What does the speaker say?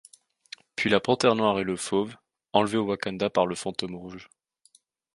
Puis la Panthère noire et le Fauve, enlevés au Wakanda par le Fantôme Rouge.